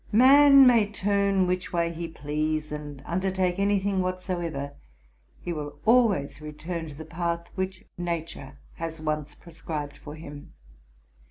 Man may turn which way he please, and undertake any thing whatsoever, he will always return to the path which nature has once prescribed for him.